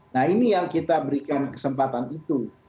nah ini yang kita berikan kesempatan itu